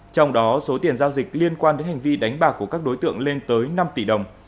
trong đó số tiền giao dịch liên quan đến hành vi đánh bạc của các đối tượng lên tới năm tỷ đồng